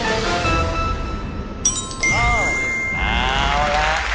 เอาละ